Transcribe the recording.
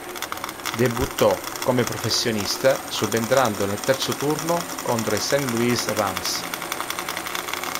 Debuttò come professionista subentrando nel terzo turno contro i St. Louis Rams.